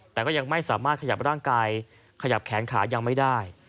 แต่ก็ยังไม่สามารถขยับร่างกายขยับแขนขายังไม่ได้